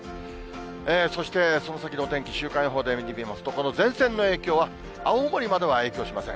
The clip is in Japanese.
そして、その先のお天気、週間予報で見てみますと、この前線の影響は、青森までは影響しません。